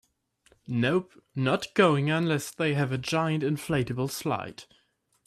Nope, not going unless they have a giant inflatable slide.